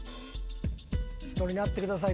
ヒトになってください。